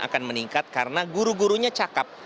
akan meningkat karena guru gurunya cakep